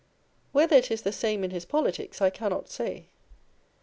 Whether it is the same in his politics, I cannot say.